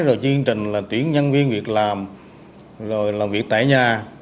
rồi chương trình là tiễn nhân viên việc làm rồi làm việc tại nhà